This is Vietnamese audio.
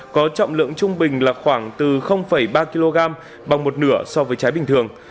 có trọng lượng trung bình là khoảng từ ba kg bằng một nửa so với trái bình thường